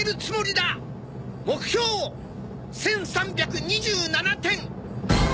目標１３２７店！